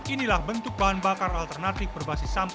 inilah bentuk bahan bakar alternatif berbasis sampah